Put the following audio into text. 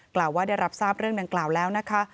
กล่าวว่าได้รับทราบเรื่องดังกล่าวแล้วนะคะ